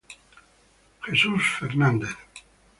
Jesús Fernández